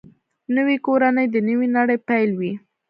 نوې کورنۍ د نوې نړۍ پیل وي